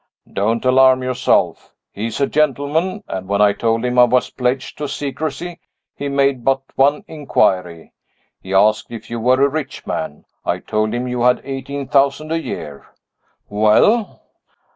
"Don't alarm yourself. He is a gentleman, and when I told him I was pledged to secrecy, he made but one inquiry he asked if you were a rich man. I told him you had eighteen thousand a year." "Well?"